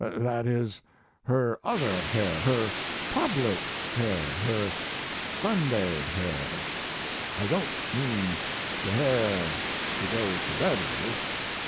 That is her other hair her public hair her Sunday hair. I don t mean the hair she goes to bed with.